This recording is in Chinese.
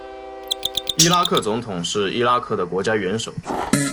伊拉克总统是伊拉克的国家元首。